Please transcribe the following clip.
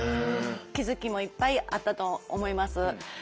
気づきもいっぱいあったと思います。